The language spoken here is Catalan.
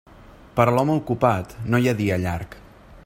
Per a l'home ocupat no hi ha dia llarg.